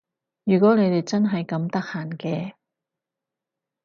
如果你哋真係咁得閒嘅